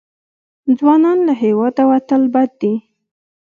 ځوانان له هېواده وتل بد دي.